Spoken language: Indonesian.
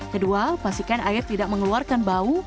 kedua pastikan air tidak mengeluarkan bau